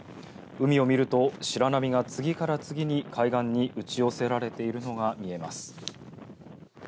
海を見ると白波が次から次に海岸に打ち寄せられているのが見えます。